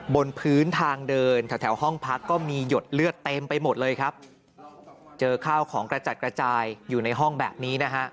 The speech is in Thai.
บนพื้นทางเดินแถวแถวห้องพักก็มีหยดเลือดเต็มไปหมดเลยครับเจอข้าวของกระจัดกระจายอยู่ในห้องแบบนี้นะฮะ